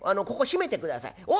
ここ閉めてください。